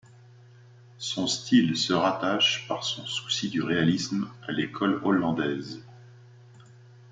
Son style se rattache, par son souci du réalisme, à l'école hollandaise.